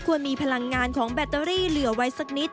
มีพลังงานของแบตเตอรี่เหลือไว้สักนิด